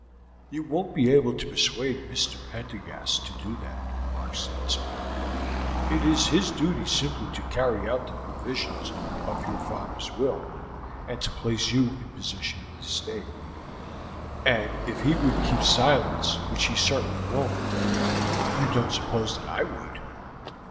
"You won't be able to persuade Mr. Prendergast to do that," Mark said, smiling. "It is his duty simply to carry out the provisions of your father's will, and to place you in possession of the estate; and if he would keep silence, which he certainly won't, you don't suppose that I would."